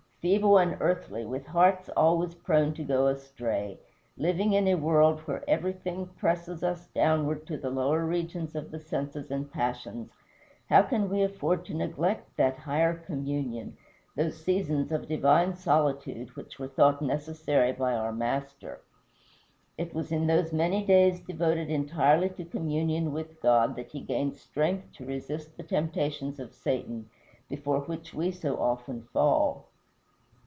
Feeble and earthly, with hearts always prone to go astray, living in a world where everything presses us downward to the lower regions of the senses and passions, how can we afford to neglect that higher communion, those seasons of divine solitude, which were thought necessary by our Master? It was in those many days devoted entirely to communion with God that he gained strength to resist the temptations of Satan, before which we so often fall.